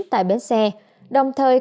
tại bến xe đồng thời